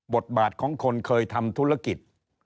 บทบาทของคนเคยทำธุรกิจ